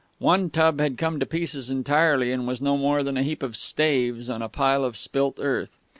One tub had come to pieces entirely and was no more than a heap of staves on a pile of spilt earth.